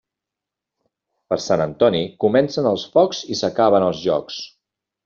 Per Sant Antoni comencen els focs i s'acaben els jocs.